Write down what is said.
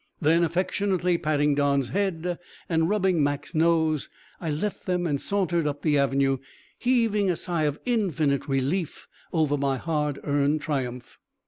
Then affectionately patting Don's head and rubbing Mac's nose, I left them and sauntered up the avenue, heaving a sigh of infinite relief over my hard earned triumph.